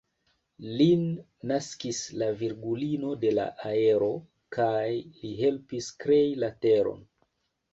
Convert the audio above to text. Lin naskis la Virgulino de la Aero, kaj li helpis krei la teron.